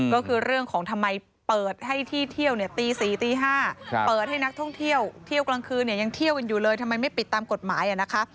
ก็คือเรื่องของทำไมเปิดให้ที่เที่ยวเนี่ยตี๔ตี๕เปิดให้นักท่องเที่ยวเที่ยวกลางคืนเนี่ยยังเที่ยวกันอยู่เลยทำไมไม่ปิดตามกฎหมายนะคะ